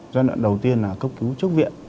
giai đoạn đầu tiên là cốc cứu trước viện